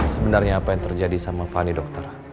sebenarnya apa yang terjadi sama fani dokter